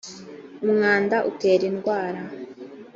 umwanda utera indwara.